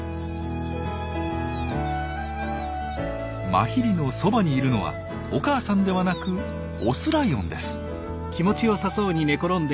マヒリのそばにいるのはお母さんではなくオスライオンです。